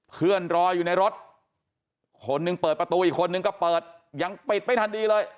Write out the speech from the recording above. รออยู่ในรถคนหนึ่งเปิดประตูอีกคนนึงก็เปิดยังปิดไม่ทันดีเลย